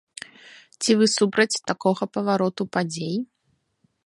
Ці вы супраць такога павароту падзей?